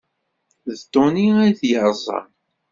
D Tony ay t-yerẓan.